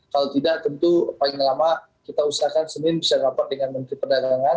kalau tidak tentu paling lama kita usahakan senin bisa rapat dengan menteri perdagangan